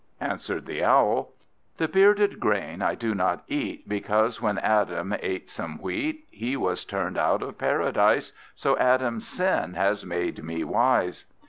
Answered the Owl "The bearded grain I do not eat, Because, when Adam ate some wheat, He was turned out of Paradise: So Adam's sin has made me wise.